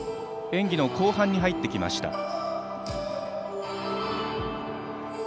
演技後半に入ってきました。